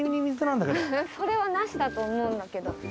それはなしだと思うんだけど。